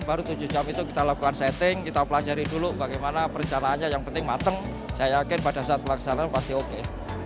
baru tujuh jam itu kita lakukan setting kita pelajari dulu bagaimana perencanaannya yang penting mateng saya yakin pada saat pelaksanaan pasti oke